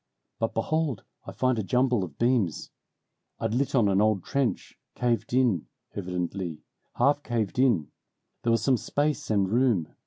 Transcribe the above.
But behold I find a jumble of beams. I'd lit on an old trench, caved in, 'vidently; half caved in there was some space and room.